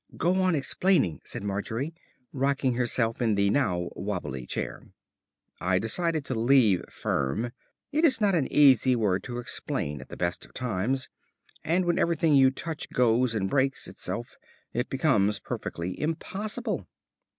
"Go on explaining," said Margery, rocking herself in the now wobbly chair. I decided to leave "firm." It is not an easy word to explain at the best of times, and when everything you touch goes and breaks itself it becomes perfectly impossible.